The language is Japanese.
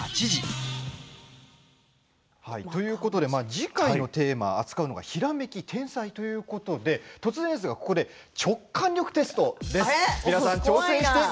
次回のテーマ扱うのがひらめき、天才ということで突然ですがここで直感力テストです。